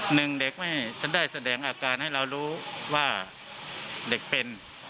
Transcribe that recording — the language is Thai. หนึ่งเด็กไม่ฉันได้แสดงอาการให้เรารู้ว่าเด็กเป็น